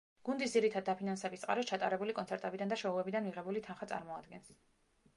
გუნდის ძირითად დაფინანსების წყაროს ჩატარებული კონცერტებიდან და შოუებიდან მიღებული თანხა წარმოადგენს.